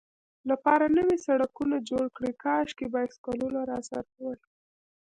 لپاره نوي سړکونه جوړ کړي، کاشکې بایسکلونه راسره وای.